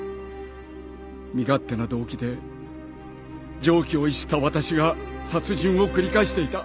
身勝手な動機で常軌を逸した私が殺人を繰り返していた